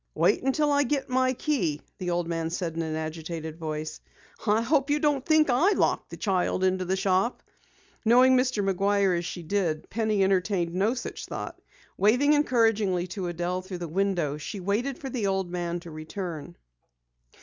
"Wait until I get my key," the old man said in an agitated voice. "I hope you don't think I locked the child into the shop!" Knowing Mr. McGuire as she did, Penny entertained no such thought. Waving encouragingly to Adelle through the window, she waited for the old man to return.